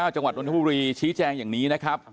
จังหวัดอุณหภูมิชี้แจ้งอย่างนี้นะครับ